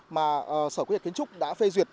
mà sở quy hoạch kiến trúc đã phê duyệt